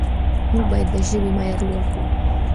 موږ باید د ژبې معیار لوړ کړو.